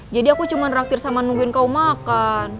jadi aku cuma raktir sama nungguin kau makan